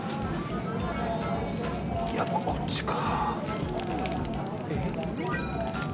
やっぱ、こっちか。